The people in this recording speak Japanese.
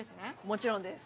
もちろんです！